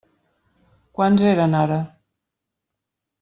Quants eren ara?